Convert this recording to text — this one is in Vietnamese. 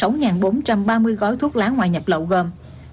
sáu bốn trăm ba mươi gói thuốc lá ngoại nhập lậu gồm